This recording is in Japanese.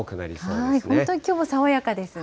本当にきょうも爽やかですね。